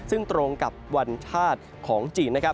ซึ่งตรงกับวันชาติของจีน